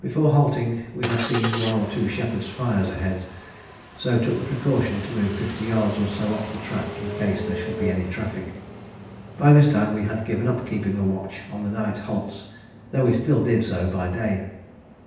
Before halting, we had seen one or two shepherds' fires ahead, so took the precaution to move fifty yards or so off the track in case there should be any traffic. By this time we had given up keeping a watch on the night halts, though we still did so by day.